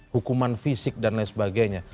hukuman fisik dan lain sebagainya